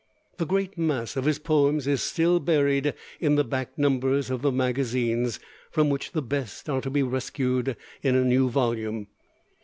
The great mass of his poems is still buried in the back numbers of the magazines, from which the best are to be rescued in a new volume.